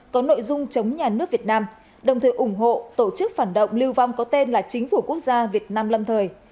có nội dung chống nhà nước việt nam đồng thời ủng hộ tổ chức phản động lưu vong có tên là chính phủ quốc gia việt nam lâm thời